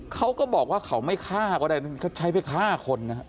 เขาก็บอกว่าเขาไม่ฆ่าก็ได้ใช้เพื่อฆ่าคนนะครับ